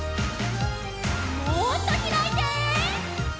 もっとひらいて。